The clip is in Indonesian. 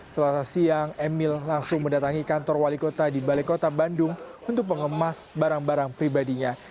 selasa siang emil langsung mendatangi kantor wali kota di balai kota bandung untuk mengemas barang barang pribadinya